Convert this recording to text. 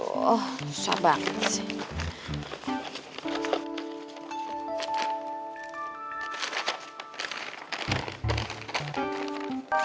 oh susah banget sih